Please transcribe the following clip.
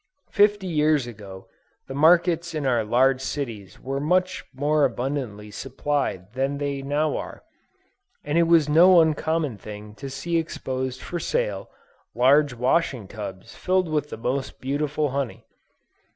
Fifty years ago, the markets in our large cities were much more abundantly supplied than they now are, and it was no uncommon thing to see exposed for sale, large washing tubs filled with the most beautiful honey.